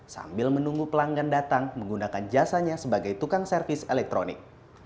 sambil menunggu pelanggan datang menggunakan jasanya sebagai tukang servis elektronik